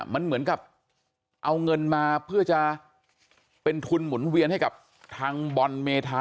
มันเหมือนกับเอาเงินมาเพื่อจะเป็นทุนหมุนเวียนให้กับทางบอลเมธา